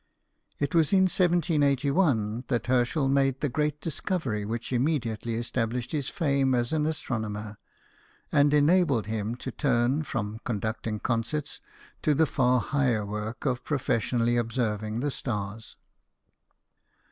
It was in 1781 that Herschel made the great discovery which immediately established his fame as an astronomer, and enabled him to turn from conducting concerts to the far higher work of professionally observing the stars.